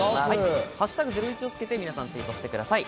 「＃ゼロイチ」をつけて皆さんツイートしてください。